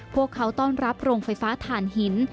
พวกเขาต้อนรับโรงไฟฟ้าฐานหิน